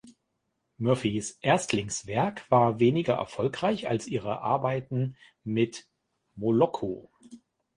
Murphys Erstlingswerk war weniger erfolgreich als ihre Arbeiten mit Moloko.